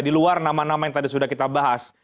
di luar nama nama yang tadi sudah kita bahas